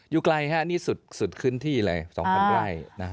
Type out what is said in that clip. อยู่ไกลครับนี่สุดขึ้นที่เลย๒๐๐๐ไกล